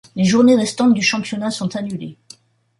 Les journées restantes du championnat sont annulées.